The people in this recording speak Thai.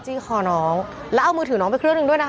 คอน้องแล้วเอามือถือน้องไปเครื่องหนึ่งด้วยนะคะ